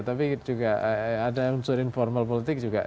tapi juga ada yang menunjukan formal politik juga